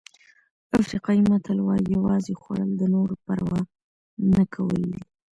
افریقایي متل وایي یوازې خوړل د نورو پروا نه کول دي.